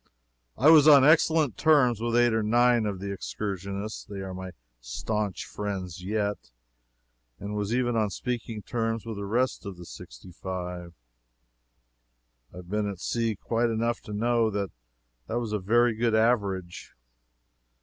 I was on excellent terms with eight or nine of the excursionists (they are my staunch friends yet,) and was even on speaking terms with the rest of the sixty five. I have been at sea quite enough to know that that was a very good average.